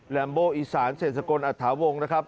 ลัมโบอีสานเศรษฐกลอัตถาวงศ์นะครับ